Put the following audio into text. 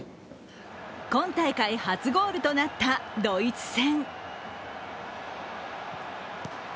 今大会初ゴールとなったドイツ戦。